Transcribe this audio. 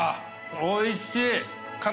おいしい。